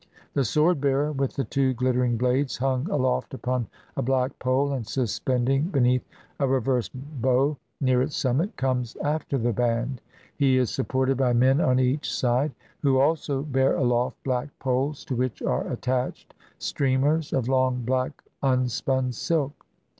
The sword bearer — with the two gUttering blades hung aloft upon a black pole, and suspending beneath a reversed bow, near its summit — comes after the band. He is sup ported by men on each side, who also bear aloft black poles, to which are attached streamers of long black unspun silk.